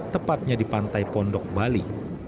tepatnya di pantai pondok bali